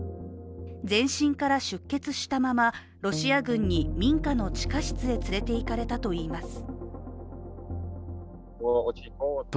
全身から出血したまま、ロシア軍に民家の地下室へ連れていかれたといいます。